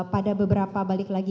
pada beberapa balik lagi